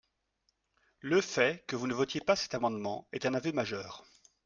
Le fait que vous ne votiez pas cet amendement est un aveu majeur